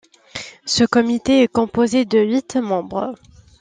Ce comité est composé de huit membres.